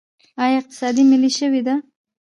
آیا اقتصاد ملي شوی دی؟